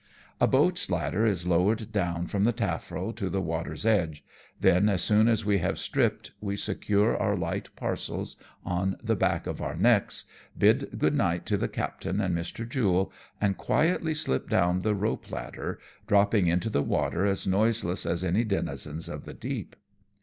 A boat's ladder is lowered down from the tafirail to the water's edge, then, as soon as we have stripped we secure our light parcels on the back of our necks, bid good night to the captain and Mr. Jule, and quietly slip down the rope ladder, dropping into the water as noise less as any denizens of the deep.